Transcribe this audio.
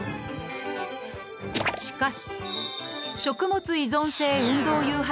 しかし、食物依存性運動誘発